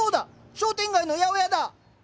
商店街の八百屋だ。